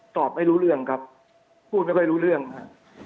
ตอบไม่รู้เรื่องครับพูดไม่ค่อยรู้เรื่องครับ